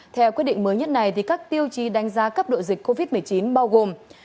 theo quyết định mới nhất này các tiêu chí đánh giá cấp độ dịch covid một mươi chín bao gồm